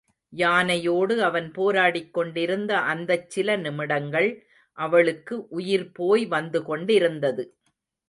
யானையோடு அவன் போராடிக் கொண்டிருந்த அந்தச் சில நிமிடங்கள் அவளுக்கு உயிர் போய் வந்து கொண்டிருந்தது.